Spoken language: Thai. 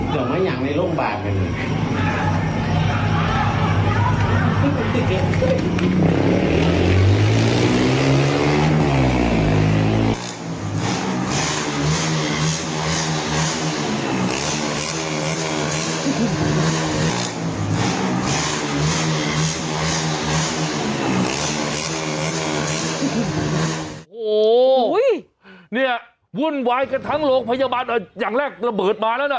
โอ้โหเนี่ยวุ่นวายกันทั้งโรงพยาบาลอย่างแรกระเบิดมาแล้วนะ